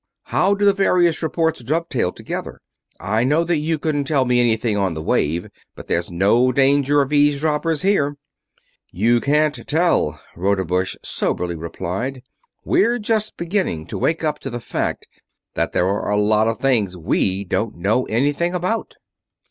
"How do the various reports dovetail together? I know that you couldn't tell me anything on the wave, but there's no danger of eavesdroppers here." "You can't tell," Rodebush soberly replied. "We're just beginning to wake up to the fact that there are a lot of things we don't know anything about.